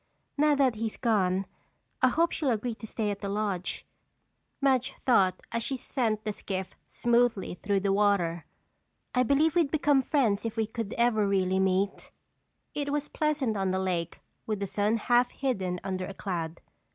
"Now that he's gone I hope she'll agree to stay at the lodge," Madge thought as she sent the skiff smoothly through the water. "I believe we'd become friends if we could ever really meet." It was pleasant on the lake with the sun half hidden under a cloud.